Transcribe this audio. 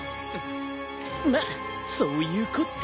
まっそういうこった。